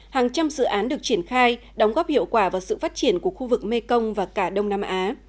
hàng trăm dự án được triển khai đóng góp hiệu quả vào sự phát triển của khu vực mekong và cả đông nam á